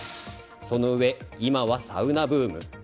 そのうえ今はサウナブーム。